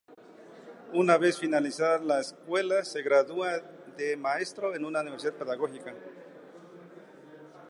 Una vez finalizada la escuela se gradúa de de maestro en una universidad pedagógica.